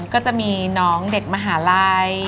ก็จะมีน้องเด็กมหาลัย